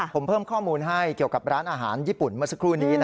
ผมเพิ่มข้อมูลให้เกี่ยวกับร้านอาหารญี่ปุ่นเมื่อสักครู่นี้